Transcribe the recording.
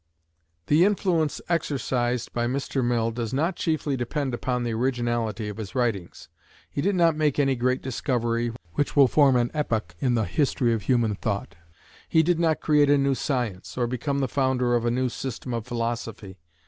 The influence exercised by Mr. Mill does not chiefly depend upon the originality of his writings. He did not make any great discovery which will form an epoch in the history of human thought; he did not create a new science, or become the founder of a new system of philosophy.